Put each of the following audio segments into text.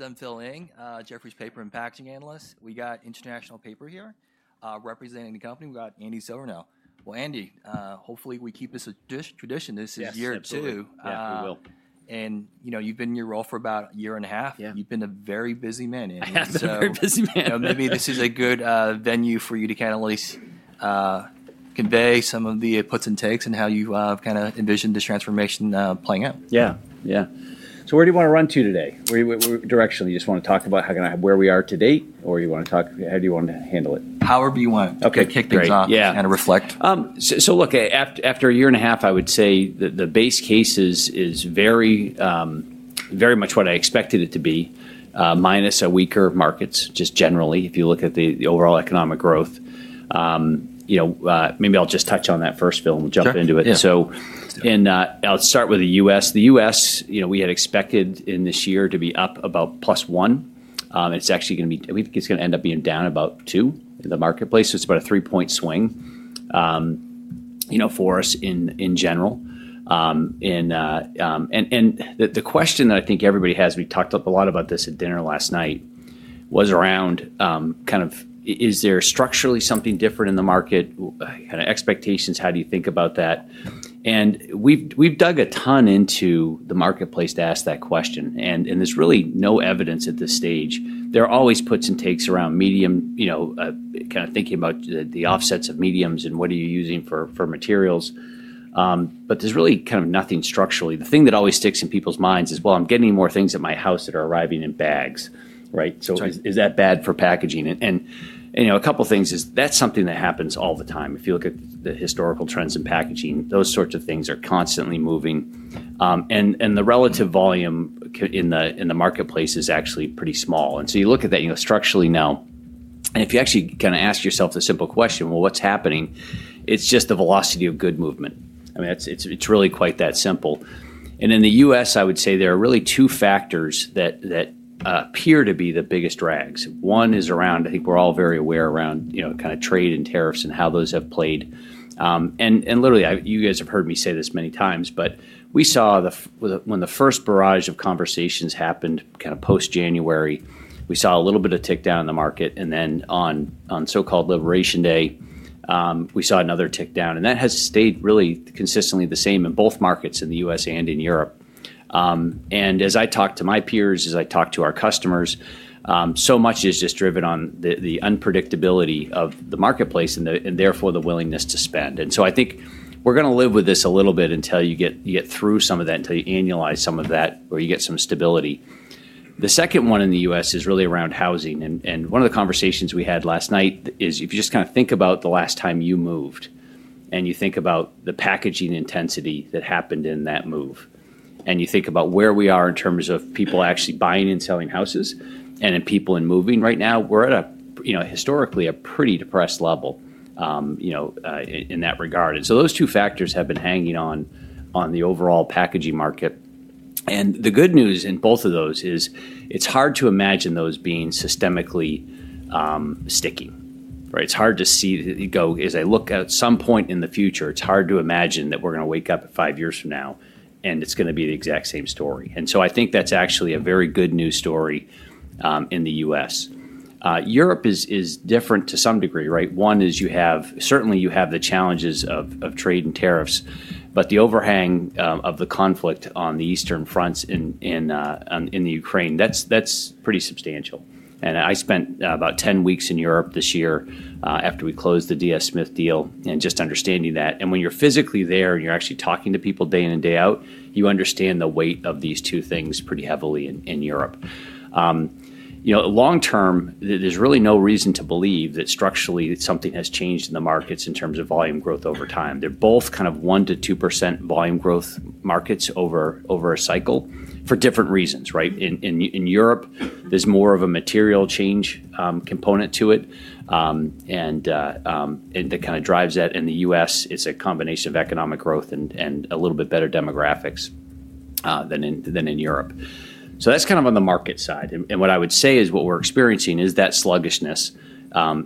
Guys. I'm Phil Ng, Jefferies paper and packaging analyst. We got International Paper here. Representing the company, we got Andy Silvernail. Well, Andy, hopefully, we keep this a dish tradition. This is year two. Yeah. We will. And, you know, you've been in your role for about a year and a half. Yeah. You've been a very busy man, Andy. Very busy man. Know, maybe this is a good venue for you to kinda at least convey some of the puts and takes and how you kinda envision this transformation playing out. Yeah. Yeah. So where do you wanna run to today? Where you directionally, you just wanna talk about how can I where we are today or you wanna talk, how do you wanna handle it? Power be you want to kick things off and reflect. Look, after a year and a half, I would say that the base case is very much what I expected it to be, minus a weaker markets, just generally, if you look at the overall economic growth. Maybe I'll just touch on that first, Phil, jump Sure. Into And so, I'll start with The US. The US, we had expected in this year to be up about plus one. It's actually gonna be I think it's gonna end up being down about two in the marketplace. So it's about a three point swing, you know, for us in in general. And and and the the question that I think everybody has, we talked up a lot about this at dinner last night, was around kind of is there structurally something different in the market? Kind of expectations, how do you think about that? And we've we've dug a ton into the marketplace to ask that question, and and there's really no evidence at this stage. There are always puts and takes around medium, you know, kinda thinking about the offsets of mediums and what are you using for for materials, but there's really kind of nothing structurally. The thing that always sticks in people's minds is, well, I'm getting more things at my house that are arriving in bags. Right? So is that bad for packaging? And and, you know, a couple of things is that's something that happens all the time. If you look at the historical trends in packaging, those sorts of things are constantly moving. And and the relative volume in the in the marketplace is actually pretty small. And so you look at that, you know, structurally now. And if you actually kinda ask yourself a simple question, well, what's happening? It's just the velocity of good movement. I mean, it's it's it's really quite that simple. And in The US, I would say there are really two factors that appear to be the biggest drags. One is around I think we're all very aware around, you know, kinda trade and tariffs and how those have played. And and literally, guys have heard me say this many times, but we saw the when the first barrage of conversations happened kinda post January, we saw a little bit of tick down in the market. And then on on so called Liberation Day, we saw another tick down. And that has stayed really consistently the same in both markets in The US and in Europe. And as I talk to my peers, as I talk to our customers, so much is just driven on the unpredictability of the marketplace and therefore the willingness to spend. And so I think we're going to live with this a little bit until you get through some of that, until you annualize some of that or you get some stability. The second one in The US is really around housing. And and one of the conversations we had last night is if you just kinda think about the last time you moved and you think about the packaging intensity that happened in that move and you think about where we are in terms of people actually buying and selling houses, and then people and moving right now, we're at a, you know, historically a pretty depressed level, you know, in that regard. So those two factors have been hanging on on the overall packaging market. And the good news in both of those is it's hard to imagine those being systemically sticky. Right? It's hard to see you go as I look at some point in the future, it's hard to imagine that we're gonna wake up five years from now, and it's gonna be the exact same story. And so I think that's actually a very good news story in The US. Europe is is different to some degree. Right? One is you have certainly, you have the challenges of of trade and tariffs, but the overhang of the conflict on the eastern fronts in in in The Ukraine, that's that's pretty substantial. And I spent about ten weeks in Europe this year after we closed the DS Smith deal and just understanding that. And when you're physically there and you're actually talking to people day in and day out, you understand the weight of these two things pretty heavily in in Europe. You know, long term, there's really no reason to believe that structurally that something has changed in the markets in terms of volume growth over time. They're both kind of one to 2% volume growth markets over over a cycle for different reasons. Right? In in in Europe, there's more of a material change component to it, and and that kinda drives that. In The US, it's a combination of economic growth and and a little bit better demographics than in Europe. So that's kind of on the market side. And what I would say is what we're experiencing is that sluggishness.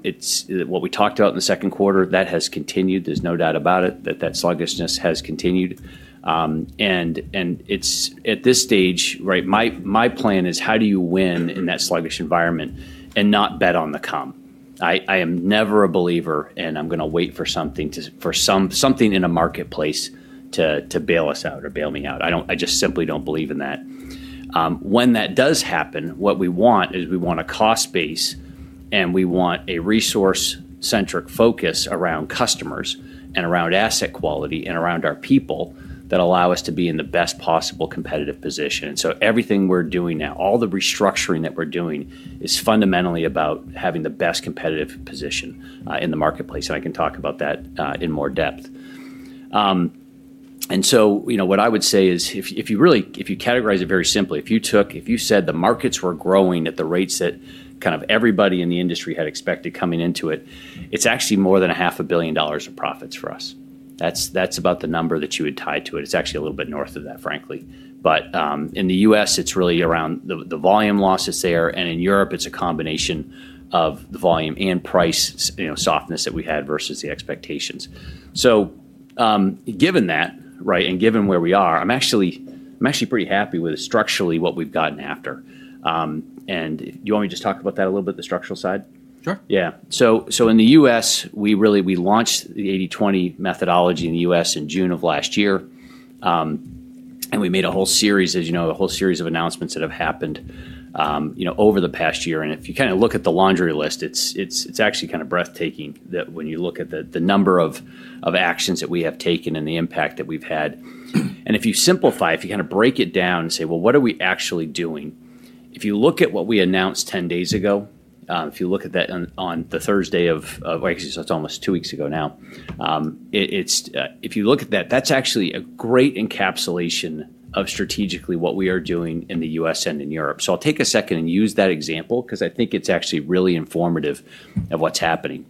It's what we talked about in the second quarter, that has continued. There's no doubt about it that that sluggishness has continued. And it's at this stage, right, my my plan is how do you win in that sluggish environment and not bet on the come. I I am never a believer, and I'm gonna wait for something to for some something in a marketplace to to bail us out or bail me out. I don't I just simply don't believe in that. When that does happen, what we want is we want a cost base, and we want a resource centric focus around customers and around asset quality and around our people that allow us to be in the best possible competitive position. So everything we're doing now, all the restructuring that we're doing is fundamentally about having the best competitive position in the marketplace, and I can talk about that in more depth. And so, you know, what I would say is if if you really if you categorize it very simply, if you took if you said the markets were growing at the rates that kind of everybody in the industry had expected coming into it, it's actually more than a half a billion dollars in profits for us. That's that's about the number that you would tie to it. It's actually a little bit north of that, frankly. But in The US, it's really around the the volume losses there. And in Europe, it's a combination of the volume and price, you know, softness that we had versus the expectations. So given that, right, and given where we are, I'm actually I'm actually pretty happy with structurally what we've gotten after. And do you want me to just talk about that a little bit, the structural side? Sure. Yeah. So so in The US, we really we launched the eighty twenty methodology in The US in June, and we made a whole series, as you know, a whole series of announcements that have happened, you know, over the past year. And if you kinda look at the laundry list, it's it's it's actually kinda breathtaking that when you look at the the number of of actions that we have taken and the impact that we've had. And if you simplify, if you kinda break it down and say, well, what are we actually doing? If you look at what we announced ten days ago, if you look at that on on the Thursday of of I can see, so it's almost two weeks ago now, it it's if you look at that, that's actually a great encapsulation of strategically what we are doing in The US and in Europe. So I'll take a second and use that example because I think it's actually really informative of what's happening.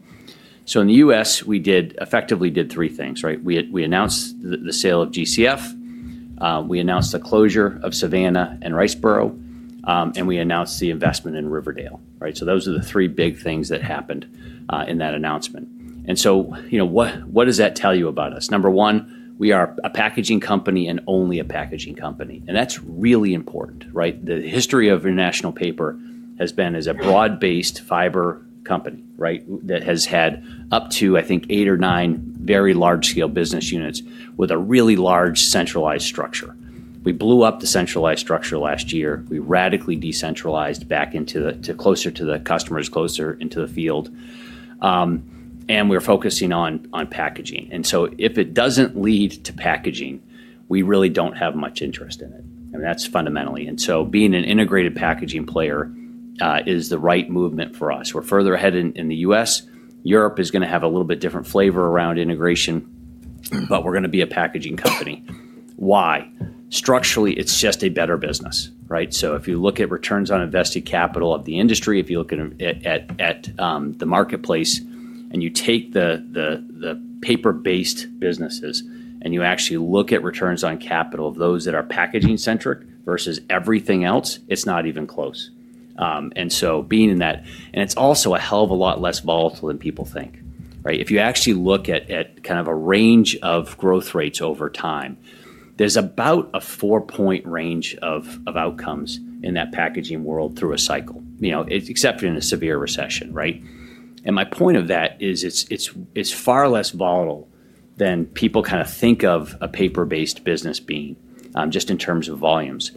So in The US, we did effectively did three things. Right? We we announced sale of GCF. We announced the closure of Savannah and Riceboro, and we announced the investment in Riverdale. Right? So those are the three big things that happened in that announcement. And so, you know, what what does that tell you about us? Number one, we are a packaging company and only a packaging company, and that's really important. Right? The history of International Paper has been as a broad based fiber company, right, that has had up to, I think, eight or nine very large scale business units with a really large centralized structure. We blew up the centralized structure last year. We radically decentralized back into the to closer to the customers, closer into the field, and we're focusing And so if it doesn't lead to packaging, we really don't have much interest in it, and that's fundamentally. And so being an integrated packaging player is the right movement for us. We're further ahead in in The US. Europe is gonna have a little bit different flavor around integration, but we're gonna be a packaging company. Why? Structurally, it's just a better business. Right? So if you look at returns on invested capital of the industry, if you look at at at the marketplace and you take the the the paper based businesses, and you actually look at returns on capital, those that are packaging centric versus everything else, it's not even close. And so being in that, and it's also a hell of a lot less volatile than people think. Right? If you actually look at at kind of a range of growth rates over time, there's about a four point range of of outcomes in that packaging world through a cycle, you know, except in a severe recession. Right? And my point of that is it's it's it's far less volatile than people kinda think of a paper based business being just in terms of volumes.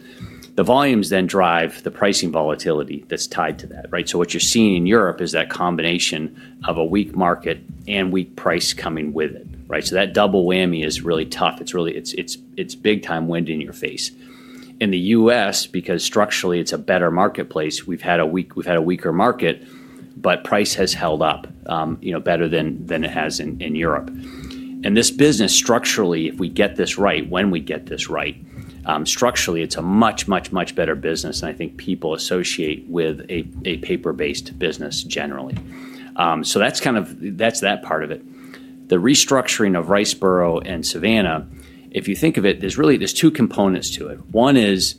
The volumes then drive volatility that's tied to that. Right? So what you're seeing in Europe is that combination of a weak market and weak price coming with it. Right? So that double whammy is really tough. It's really it's it's it's big time wind in your face. In The US, because structurally, it's a better marketplace, we've had a weak we've had a weaker market, but price has held up, you know, better than than it has in in Europe. And this business, structurally, if we get this right, when we get this right, structurally, it's a much much much better business, and I think people associate with a a paper based business generally. So that's kind of that's that part of it. The restructuring of Riceboro and Savannah, if you think of it, there's really there's two components to it. One is,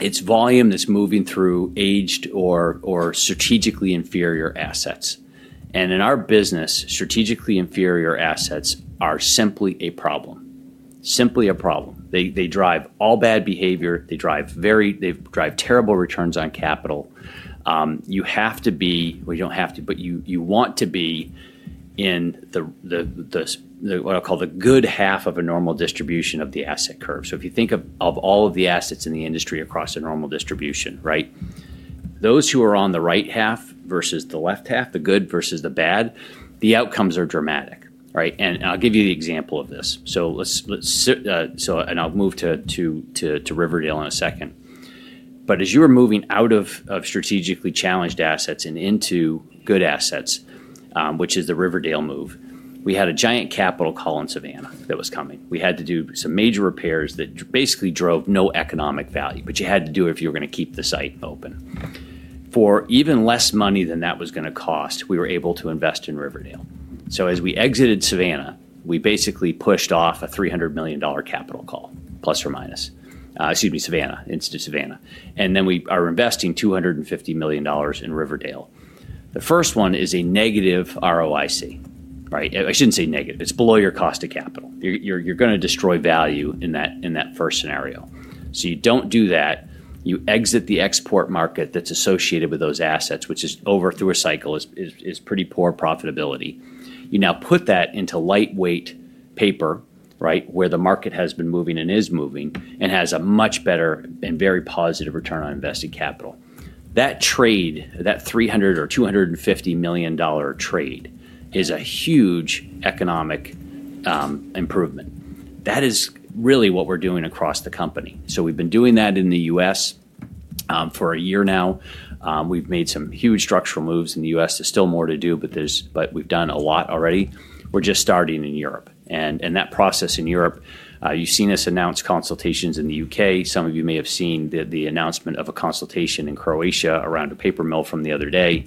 it's volume that's moving through aged or or strategically inferior assets. And in our business, strategically inferior assets are simply a problem. Simply a problem. They they drive all bad behavior. They drive very they drive terrible returns on capital. You have to be well, you don't have to, but you you want to be in the the the what I'll call, the good half of a normal distribution of the asset curve. So if you think of of all of the assets in the industry across a normal distribution, right, those who are on the right half versus the left half, the good versus the bad, the outcomes are dramatic. Right? And I'll give you the example of this. So let's let's sit so and I'll move to to to to Riverdale in a second. But as you were moving out of of strategically challenged assets and into good assets, which is the Riverdale move, we had a giant capital call in Savannah that was coming. We had to do some major repairs that basically drove no economic value, but you had to do it if you were gonna keep the site open. For even less money than that was gonna cost, we were able to invest in Riverdale. So as we exited Savannah, we basically pushed off a $300,000,000 capital call, plus or minus. Excuse me, Savannah into Savannah. And then we are investing $250,000,000 in Riverdale. The first one is a negative ROIC. Right? I shouldn't say negative. It's below your cost of capital. You're you're you're gonna destroy value in that in that first scenario. So you don't do that. You exit the export that's associated with those assets, which is over through a cycle is is is pretty poor profitability. You now put that into lightweight paper, right, where the market has been moving and is moving and has a much better and very positive return on invested capital. That trade, that 300 or $250,000,000 trade is a huge economic improvement. That is really what we're doing across the company. So we've been doing that in The US for a year now. We've made some huge structural moves in The US. There's still more to do, but there's but we've done a lot already. We're just starting in Europe. And and that process in Europe, you've seen us announce consultations in The UK. Some of you may have seen the of a consultation in Croatia around a paper mill from the other day.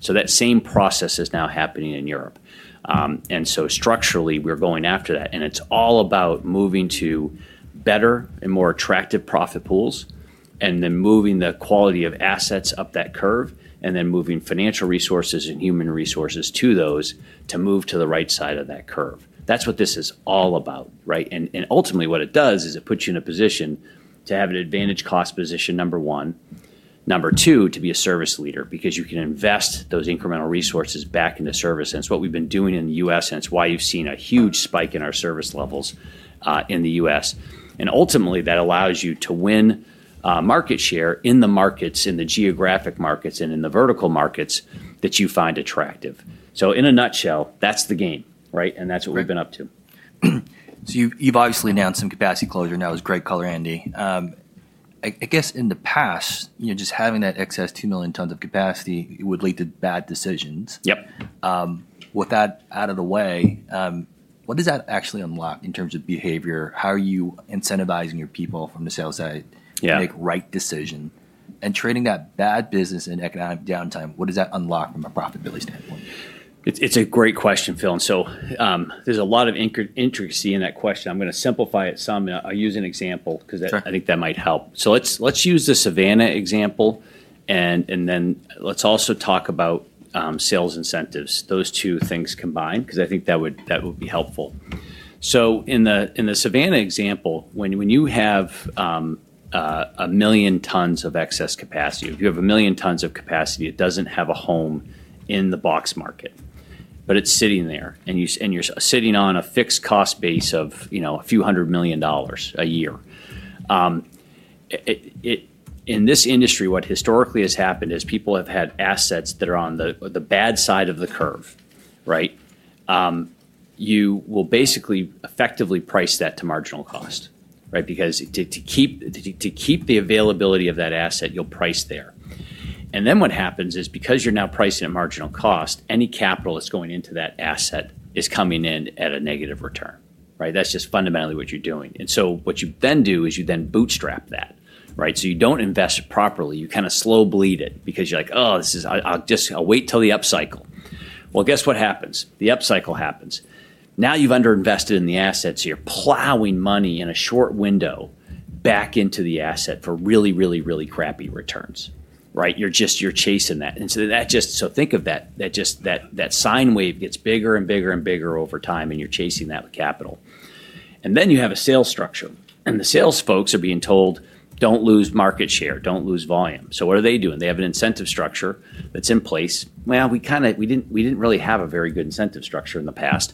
So that same process is now happening in Europe. And so, structurally, we're going after that. And it's all about moving to better and more attractive profit pools and then moving the quality of assets up that curve, and then moving financial resources and human resources to those to move to the right side of that curve. That's what this is all about. Right? And and ultimately, what it does is it puts you in a position to have an advantage cost position, number one. Number two, to be a service leader because you can invest those incremental resources back into service. And it's what we've been doing in The US and it's why you've seen a huge spike in our service levels in The US. And ultimately, that allows you to win market share in the markets, in the geographic markets and in the vertical markets that you find attractive. So in a nutshell, that's the game, right? That's what we've So been up you've obviously announced some capacity closure now is great color, Andy. I guess in the past, you know, just having that excess 2,000,000 tons of capacity, it would lead to bad decisions. Yep. With that out of the way, what does that actually unlock in terms of behavior? How are you incentivizing your people from the sales side Yeah. Make right decision. And trading that bad business in economic downtime, what does that unlock from a profitability standpoint? It's it's a great question, Phil. And so there's a lot of interest in that question. I'm gonna simplify it some. Use an example because I think that might help. So let's let's use the Savannah example, and and then let's also talk about sales incentives. Those two things combined because I think that would that would be helpful. So in the in the Savannah example, when when you have a million tons of excess capacity, if you have a million tons of capacity, it doesn't have a home in the box market, but it's sitting there and you and you're sitting on a fixed cost base of, you know, a few $100,000,000 a year. In this industry, what historically has happened is people have had assets that are on the bad side of the curve. Right? You will basically effectively price that to marginal cost. Right? Because to to keep to keep the availability of that asset, you'll price there. And then what happens is because you're now pricing at marginal cost, any capital that's going into that asset is coming in at a negative return. Right? That's just fundamentally what you're doing. And so, what you then do is you then bootstrap that. Right? So you don't invest properly, you kinda slow bleed it because you're like, oh, this is I'll I'll wait till the up cycle. Well, guess what happens? The up cycle happens. Now you've underinvested in the assets, you're plowing money in a short window back into the asset for really really really crappy returns. Right? You're just you're chasing that. And so that just so think of that that sine wave gets bigger and bigger and bigger over time and you're chasing that with capital. And then you have a sales structure. And the sales folks are being told, don't lose market share. Don't lose volume. So what are they doing? They have an incentive structure that's in place. Well, we kinda we didn't we didn't really have a very good incentive structure in the past.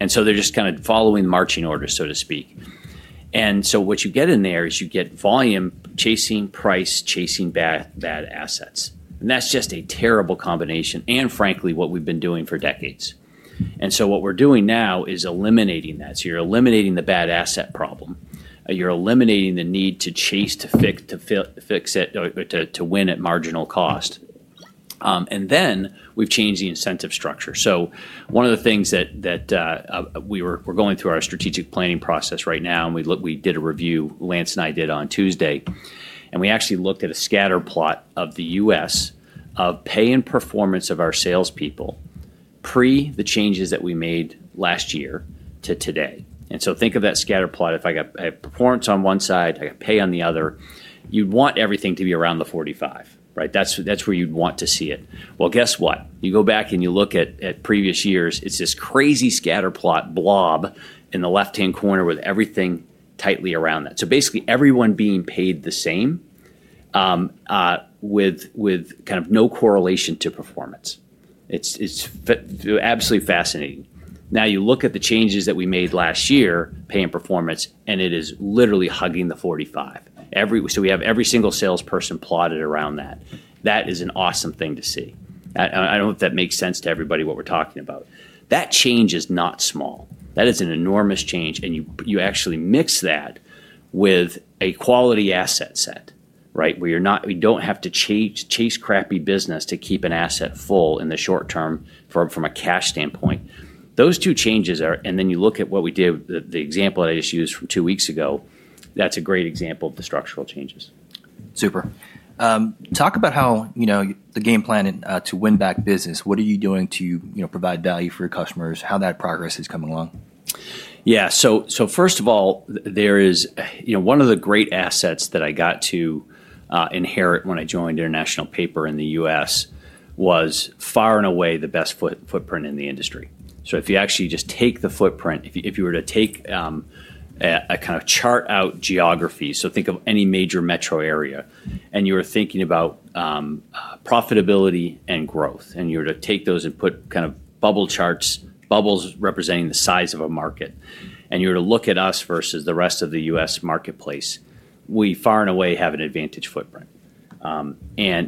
And so they're just kinda following marching orders, so to speak. And so what you get in there is you get volume chasing price, chasing bad bad assets. And that's just a terrible combination, and frankly, what we've been doing for decades. And so what we're doing now is eliminating that. So you're eliminating the bad asset problem. You're eliminating the need to chase to fix to fit fix it or to to win at marginal cost. And then, we've changed the incentive structure. So one of the things that we're going through our strategic planning process right now, and we did a review, Lance and I did on Tuesday, and we actually looked at a scatter plot of The US of pay and performance of our salespeople, pre the changes that we made last year to today. And so think of that scatter plot, if I got performance on one side, I got pay on the other, you'd want everything to be around the 45. Right? That's that's where you'd want to see it. Well, guess what? You go back and you look at at previous years, it's this crazy scatter plot blob in the left hand corner with everything tightly around that. So, basically, everyone being paid the same with with kind of no correlation to performance. It's it's absolutely fascinating. Now, you look at the changes that we made last year, pay and performance, and it is literally hugging the 45. Every so we have every single salesperson plotted around that. That is an awesome thing to see. I I don't if that makes sense to everybody what we're talking about. That change is not small. That is an enormous change and you you actually mix that with a quality asset set. Right? Where you're not we don't have to chase crappy business to keep an asset full in the short term from from a cash standpoint. Those two changes are and then you look at what we did the the example I just used from two weeks ago, that's a great example of the structural changes. Super. Talk about how, you know, the game plan to win back business. What are you doing to, you know, provide value for your customers? How that progress is coming along? Yeah. So so first of all, there is, you know, one of the great assets that I got to inherit when I joined International Paper in The US was far and away the best footprint in the industry. So if you actually just take the footprint, if you were to take a kind of chart out geography, so think of any major metro area, and you were thinking about profitability and growth, and you were to take those and put kind of bubble charts, bubbles representing the size of a market, and you were to look at us versus the rest of The US marketplace, we far and away have an advantaged footprint. And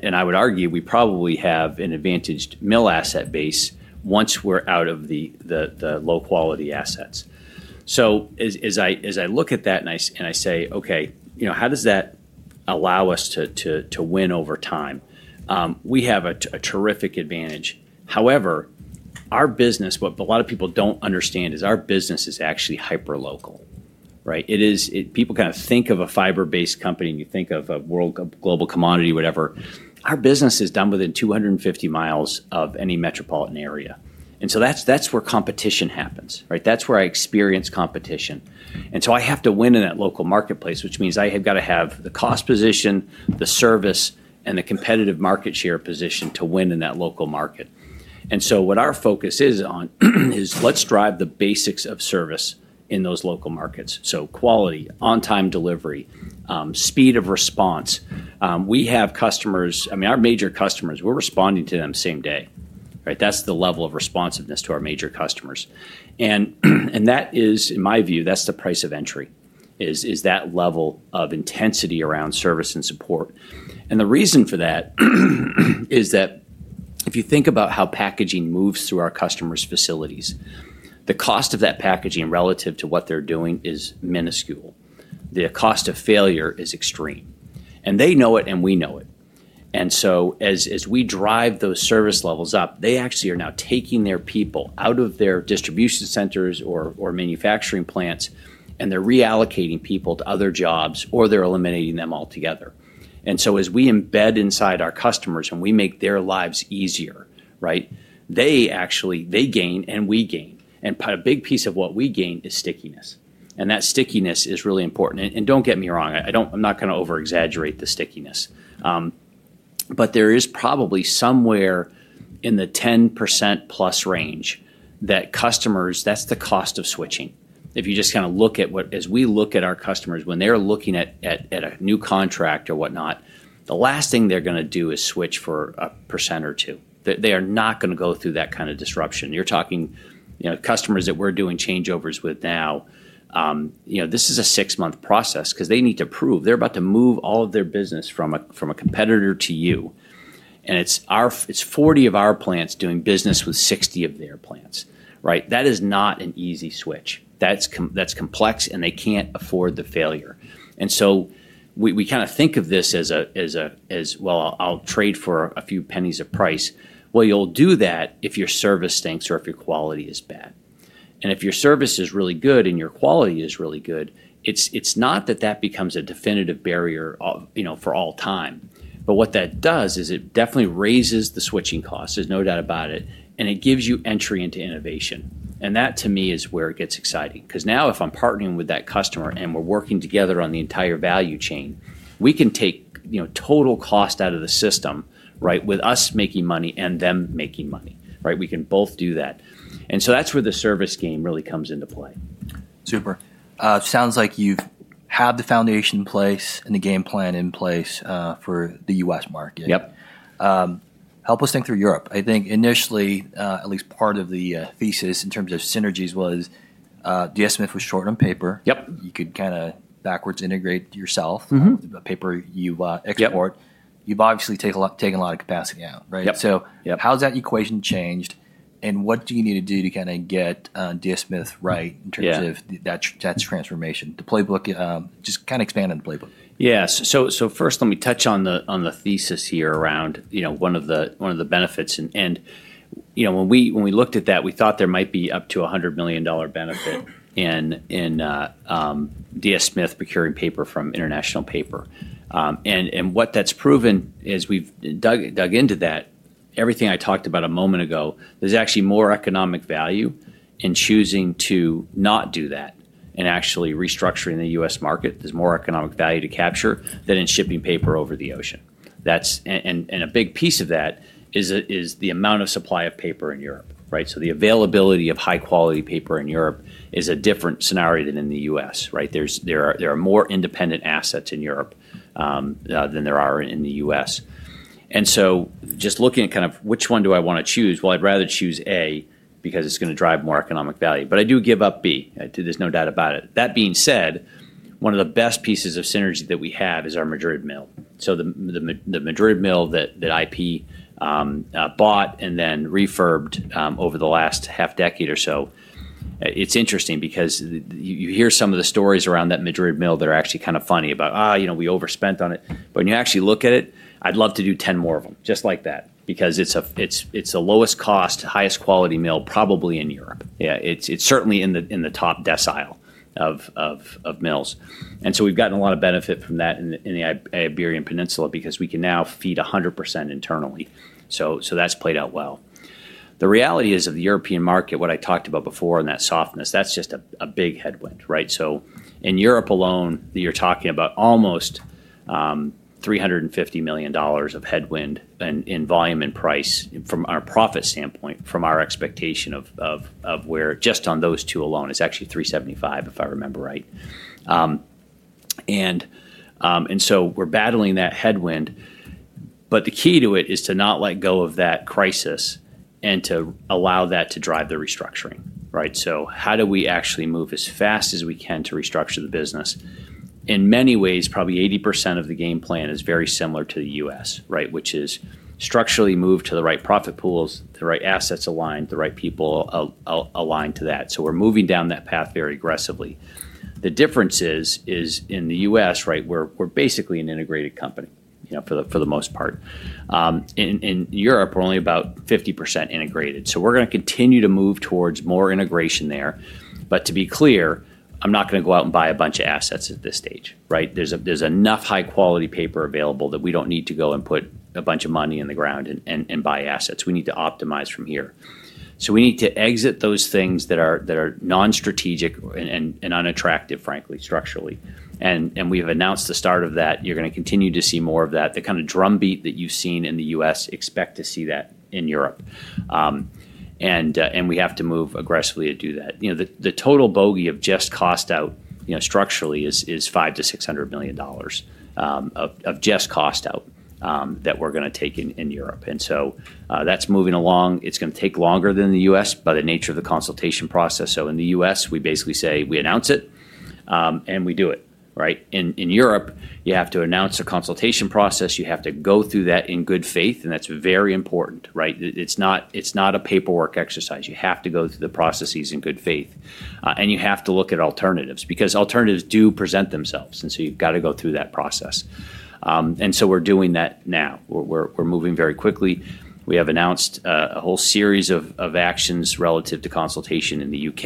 and I would argue, we probably have an advantaged mill asset base once we're out of the the the low quality assets. So as as I as I look at that and I and I say, okay, you know, how does that allow us to to to win over time? We have a a terrific advantage. However, our business, what a lot of people don't understand is our business is actually hyper local. Right? It is people kind of think of a fiber based company and you think of a world global commodity, whatever. Our business is done within 250 miles of any metropolitan area. And so that's that's where competition happens. Right? That's where I experience competition. And so I have to win in that local marketplace, which means I have got to have the cost position, the service and the competitive market share position to win in that local market. And so what our focus is on is let's drive the basics of service in those local markets. So quality, on time delivery, speed of response. We have customers I mean, our major customers, we're responding to them same day. Right? That's the level of responsiveness to our major customers. And that is, in my view, that's the price of entry, is that level of intensity around service and support. And the reason for that is that if you think about how packaging moves through our customers' facilities, the cost of that packaging relative to what they're doing is minuscule. The cost of failure is extreme. And they know it and we know it. And so as as we drive those service levels up, they actually are now taking their people out of their distribution centers or manufacturing plants, and they're reallocating people to other jobs, or they're eliminating them altogether. And so as we embed inside our customers and we make their lives easier, right, they actually, they gain and we gain. And a big piece of what we gain is stickiness. And that stickiness is really important. And don't get me wrong. I'm not gonna over exaggerate the stickiness. But there is probably somewhere in the 10% plus range that customers that's the cost of switching. If you just kinda look at what as we look at our customers, when they're looking at at at a new contract or whatnot, the last thing they're gonna do is switch for a percent They are not gonna go through that kind of disruption. You're talking, you know, customers that we're doing changeovers with now. You know, this is a six month process because they need to prove. They're about to move all of their business from a competitor to you. And it's our it's 40 of our plants doing business with 60 of their plants. Right? That is not an easy switch. That's that's complex and they can't afford the failure. And so, we we kind of think of this as a as a as well, I'll for a few pennies of price. Well, you'll do that if your service stinks or if your quality is bad. And if your service is really good and your quality is really good, it's not that that becomes a definitive barrier of, you know, for all time. But what that does is it definitely raises the switching costs. There's no doubt about it. And it gives you entry into innovation. And that to me is where it gets exciting. Because now if I'm partnering with that customer and we're working together on the entire value chain, we can take, you know, total cost out of the system, right, with us making money and them making money. Right? We can both do that. And so that's where the service game really comes into play. Super. Sounds like you had the foundation in place and the game plan in place for The US market. Yep. Help us think through Europe. I think initially, at least part of the thesis in terms of synergies was DS Smith was short on paper. Yep. You could kinda backwards integrate yourself. Mhmm. The paper you export. You've obviously take a lot taken a lot of capacity out. Right? Yep. So Yep. How's that equation changed, and what do you need to do to kinda get D. Smith right in terms of that that transformation? The playbook just kinda expand on the playbook. Yeah. So so first, let me touch on the on the thesis here around, you know, one of the one of the benefits. And, when we looked at that, we thought there might be up to a $100,000,000 benefit in D. S. Smith procuring paper from International Paper. And what that's proven is we've into that, everything I talked about a moment ago, there's actually more economic value in choosing to not do that, and actually restructuring The US market. There's more economic value to capture than in shipping paper over the ocean. That's And a big piece of that is the amount of supply of paper in Europe. Right? So the availability of high quality paper in Europe is a different scenario than in The US. Right? There are more independent assets in Europe than there are in The US. And so just looking at kind of which one do I want to choose, well, I'd rather choose a because it's going to drive more economic value. But I do give up b, there's no doubt about it. That being said, one of the best pieces of synergy that we have is our Madrid mill. So the the Madrid mill that that IP bought and then refurbed over the last half decade or so, it's interesting because you hear some of the stories around that Madrid mill that are actually kind of funny about, you know, we overspent on it. But when you actually look at I'd love to do 10 more of them, just like that, because it's a it's it's a lowest cost, highest quality mill probably in Europe. Yeah. It's it's certainly in the in the top decile of of mills. And so, we've gotten a lot of benefit from that in the Iberian Peninsula, because we can now feed 100% internally. So that's played out well. The reality is of the European market, what I talked about before and that softness, that's just a big headwind. Right? So in Europe alone, you're talking about almost $350,000,000 of headwind in volume and price from our profit standpoint, from our expectation of where just on those two alone, it's actually $3.75, if I remember right. And and so we're battling that headwind, but the key to it is to not let go of that crisis and to allow that to drive the restructuring. Right? So how do we actually move as fast as we can to restructure the business? In many ways, probably 80% of the game plan is very similar to The US, right, which is structurally move to the right profit pools, the right assets aligned, the right people aligned to that. So we're moving down that path very aggressively. The difference is is in The US, right, we're we're basically an integrated company, you know, for the for the most part. In in Europe, we're only about 50% integrated. So we're gonna continue to move towards more integration there. But to be clear, I'm not gonna go out and buy a bunch of assets at this stage. Right? There's a there's enough high quality paper available that we don't need to go and put a bunch of money in the ground and and and buy assets. We need to optimize from here. So we need to exit those things that are that are nonstrategic and unattractive, frankly, structurally. And and we've announced the start of that. You're gonna continue to see more of that. The kind of drumbeat that you've seen in The US, expect to see that in Europe. And and we have to move aggressively to do that. You know, the the total bogey of just cost out, you know, structurally is is 500 to $600,000,000 of of just cost out that we're gonna take in in Europe. And so that's moving along. It's gonna take longer than The US by the nature of the consultation process. So in The US, we basically say, we announce it and we do it. Right? In in Europe, you have to announce a consultation process. You have to go through that in good faith, and that's very important. Right? It's not it's not a paperwork exercise. You have to go through the processes in good faith. And you have to look at alternatives because alternatives do present themselves, and so you've got to go through that process. And so we're doing that now. We're moving very quickly. We have announced a whole series of actions relative to consultation in The UK.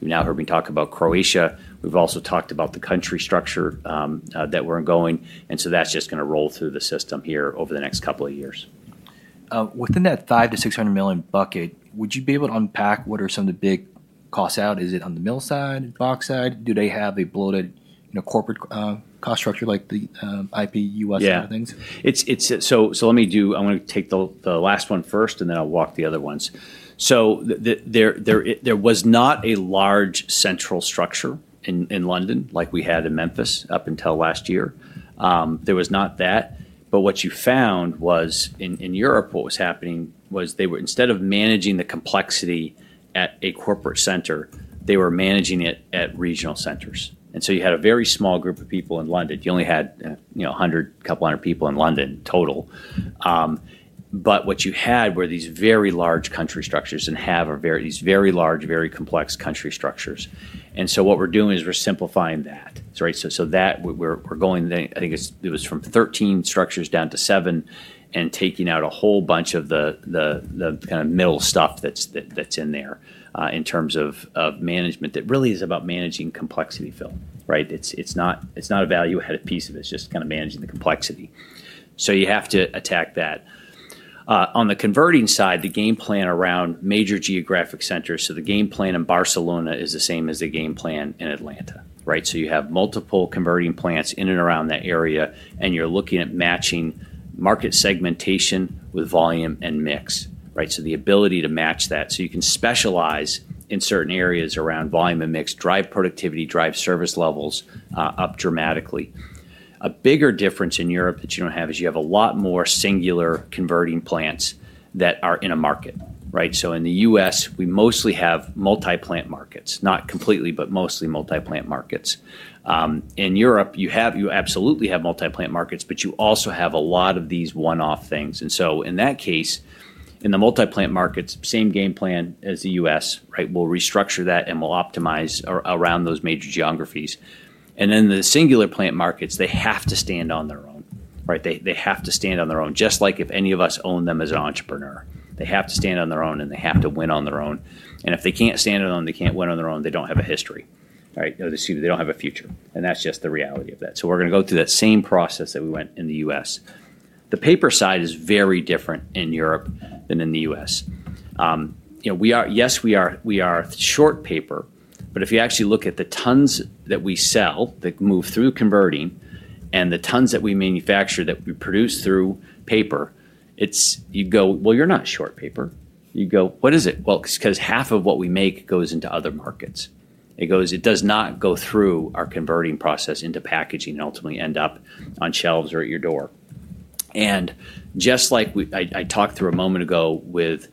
You've now heard me talk about Croatia. We've also talked about the country structure that we're ongoing, and so that's just gonna roll through the system here over the next couple of years. Within that five hundred to six hundred million dollars bucket, would you be able to unpack what are some of the big costs out? Is it on the mill side, box side? Do they have a bloated corporate cost structure like the IP US Yeah. Things? It's it's so so let me do I'm gonna take the the last one first, and then I'll walk the other ones. So there there there was not a large central structure in in London like we had in Memphis up until last year. There was not that. But what you found was in in Europe, what was happening was they were instead of managing the complexity at a corporate center, they were managing it at regional centers. And so you had a very small group of people in London. You only had, you know, a 100, couple 100 people in London, total. But what you had were these very large country structures and have a very these very large, very complex country structures. And so what we're doing is we're simplifying that. So right? So so that we're we're going I think it's it was from 13 structures down to seven and taking out a whole bunch of the the the kind of middle stuff that's that's in there in terms of of management that really is about managing complexity, Phil. Right? It's it's not it's not a value added piece of it. It's just kind of managing the complexity. So you have to attack that. On the converting side, the game plan around major geographic centers. So the game plan in Barcelona is the same as the game plan in Atlanta. Right? So you have multiple converting plants in and around that area, and you're looking at matching market segmentation with volume and mix, right? So the ability to match that. So you can specialize in certain areas around volume and mix, drive productivity, drive service levels up dramatically. A bigger difference in Europe that you don't have is you have a lot more singular converting plants that are in a market. Right? So in The US, we mostly have multi plant markets, not completely, but mostly multi plant markets. In Europe, you have you absolutely have multi plant markets, but you also have a lot of these one off things. And so in that case, in the multi plant markets, same game plan as The US. Right? We'll restructure that and we'll optimize around those major geographies. And then the singular plant markets, they have to stand on their own. Right? They they have to stand on their own just like if any of us own them as an entrepreneur. They have to stand on their own and they have to win on their own. And if they can't stand alone, they can't win on their own. They don't have a history. They don't have a future. And that's just the reality of that. So we're gonna go through that same process that we went in The US. The paper side is very different in Europe than in The US. Yes, we are short paper, but if you actually look at the tons that we sell that move through converting and the tons that we manufacture that we produce through paper, it's you go, well, you're not short paper. You go, what is it? Well, because half of what we make goes into other markets. It goes it does not go through our converting process into packaging and ultimately end up on shelves or at your door. And just like we I I talked through a moment ago with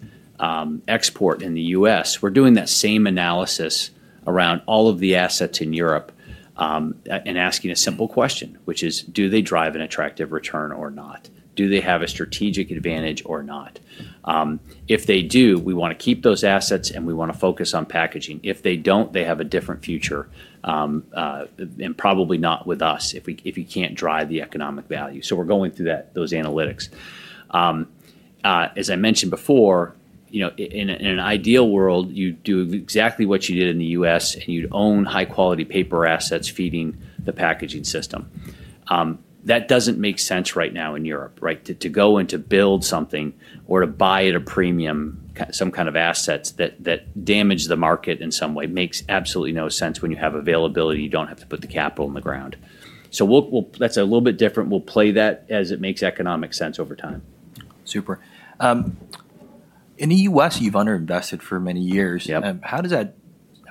export in The US, we're doing that same analysis around all of the assets in Europe and asking a simple question, which is do they drive an attractive return or not? Do they have a strategic advantage or not? If they do, we wanna keep those assets and we wanna focus If they don't, they have a different future, and probably not with us if we if you can't drive the economic value. So we're going through that those analytics. As I mentioned before, you know, in in an ideal world, you do exactly what you did in The US, and you'd own high quality paper assets feeding the packaging system. That doesn't make sense right now in Europe. Right? To to go and to build something or to buy at a premium, some kind of assets that that damage the market in some way makes absolutely no sense when you have availability, you don't have to put the capital in the ground. So we'll we'll that's a little bit different. We'll play that as it makes economic sense over time. Super. In The US, you've underinvested for many years. Yep. How does that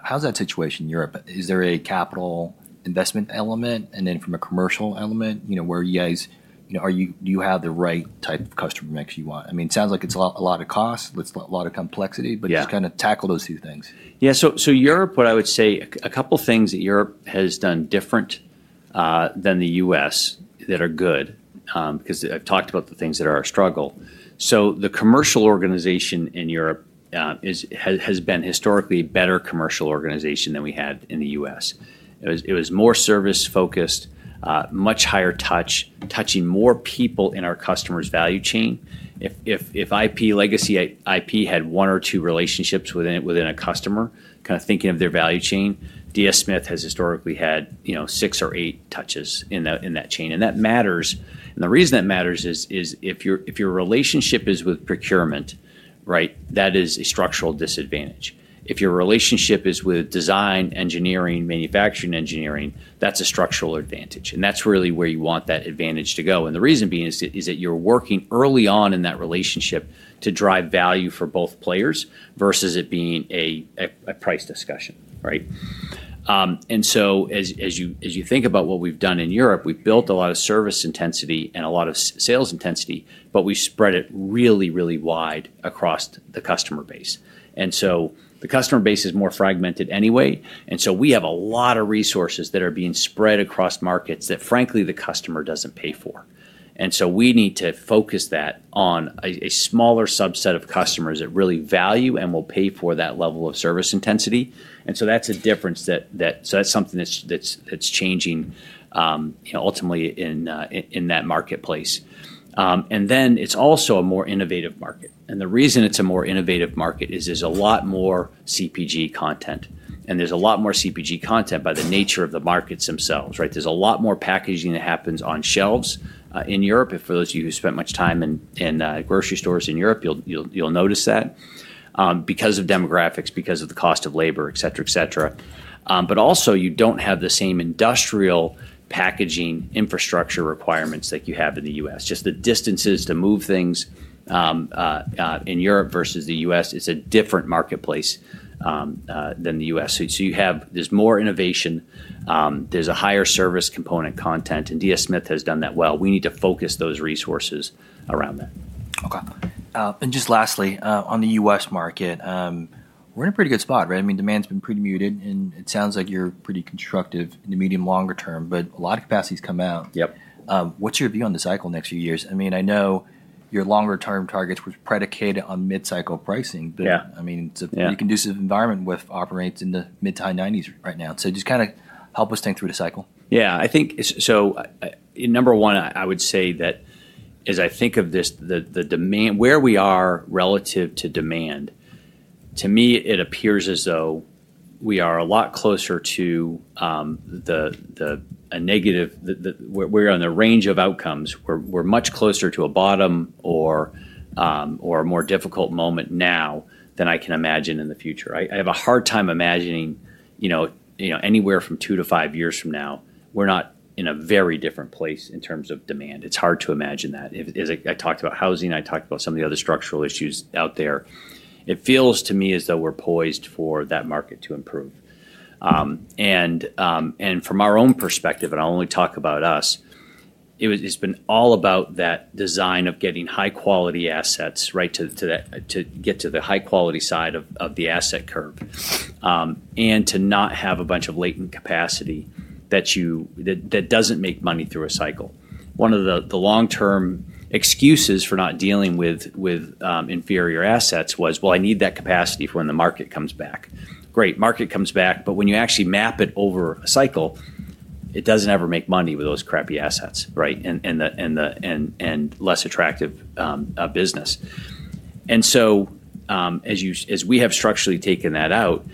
how's that situation in Europe? Is there a capital investment element? And then from a commercial element, you know, where you guys you know, are you do you have the right type of customer I mean, it sounds like it's a lot a lot of cost, but it's a lot of complexity, but just kind of tackle those two things. Yeah. So so Europe, what I would say, a couple of things that Europe has done different than The US that are good because I've talked about the things that are our struggle. So the commercial organization in Europe has been historically a better commercial organization than we had in The U. S. It was more service focused, much higher touch, touching more people in our customers' value chain. If if if IP legacy IP had one or two relationships within within a customer, kind of thinking of their value chain, DS Smith has historically had, you know, six or eight touches in that in that chain. And that matters. The reason that matters is if relationship is with procurement, right, that is a structural disadvantage. If your relationship is with design, engineering, manufacturing engineering, that's a structural advantage. That's really where you want that advantage to go. And the reason being is you're working early on in that relationship to drive value for both players versus it being a price discussion. Right? And so as you think about what we've done in Europe, we've built a lot of service intensity and a lot of sales intensity, but we spread it really, really wide across the customer base. And so, the customer base is more fragmented anyway, and so we have a lot of resources that are being spread across markets that frankly the customer doesn't pay for. And so we need to focus that on a smaller subset of customers that really value and will pay for that level of service intensity. So that's a difference that that so that's something that's that's changing, you know, ultimately in that marketplace. And then it's also a more innovative market. And the reason it's a more innovative market is there's a lot more CPG content. And there's a lot more CPG content by the nature of the markets themselves. Right? There's a lot more packaging that happens on shelves in Europe, and for those of you who spent much time in grocery stores in Europe, you'll notice that, because of demographics, because of the cost of labor, etcetera etcetera. But also, you don't have the same industrial packaging infrastructure requirements that you have in The US. Just the distances to move things in Europe versus The US is a different marketplace than The US. So you have there's more innovation, there's a higher service component content, and Dia Smith has done that well. We need to focus those resources around that. Okay. And just lastly, on The US market, we're in a pretty good spot. Right? I mean, demand's been pretty muted, and it sounds like you're pretty constructive in the medium longer term, but a lot of capacity has come out. Yep. What's your view on the cycle next few years? I mean, I know your longer term targets were predicated on mid cycle pricing. Yeah. Mean, it's a pretty conducive environment with operating in the mid to high nineties right now. So just kind of help us think through the cycle. Yeah. I think so number one, would say that as I think of this, the demand where we are relative to demand, to me, it appears as though we are a lot closer to the the a negative that that we're we're on the range of outcomes. We're we're much closer to a bottom or or a more difficult moment now than I can imagine in the future. I I have a hard time imagining, you know, you know, anywhere from two to five years from now, we're not in a very different place in terms of demand. It's hard to imagine that. It it I talked about housing. I talked about some of the other structural issues out there. It feels to me as though we're poised for that market to improve. And and from our own perspective, and I'll only talk about us, it was it's been all about that design of getting high quality assets right to to that to get to the high quality side of of the asset curve and to not have a bunch of latent capacity that you that that doesn't make money through a cycle. One of the the long term excuses for not dealing with with inferior assets was, well, I need that capacity for when the market comes back. Great. Market comes back, but when you actually map it over a cycle, it doesn't ever make money with those crappy assets, right, and less attractive business. And so as we have structurally taken that out,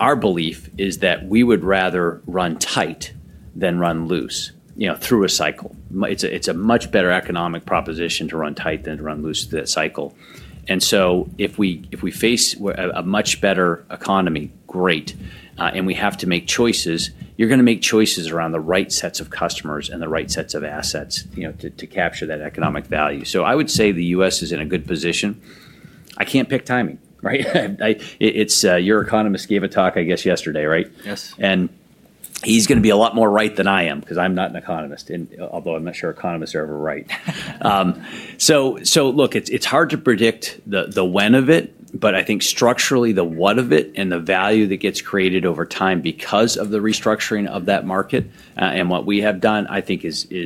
our belief is that we would rather run tight than run loose, you know, through a cycle. It's a it's a much better economic proposition to run tight than to run loose through that cycle. And so if we if we face a much better economy, great, and we have to make choices, you're gonna make choices around the right sets of customers and the right sets of assets, you know, to to capture that economic value. So I would say The US is in a good position. I can't pick timing. Right? It's your economist gave a talk, I guess, yesterday. Right? Yes. And he's gonna be a lot more right than I am because I'm not an economist, although I'm not sure economists are ever right. So so, look, it's it's hard to predict the the when of it, but I think structurally the what of it and the value that gets created over time because of the restructuring of that market and what we have done, I think is is